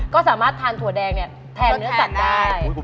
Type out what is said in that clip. ก็สามารถทานถั่วแดงเนี่ยแทนเนื้อสัตว์ได้